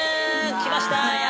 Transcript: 来ました！